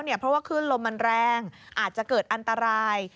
เพราะว่าขึ้นลมมันแรงอาจจะเกิดอันตราย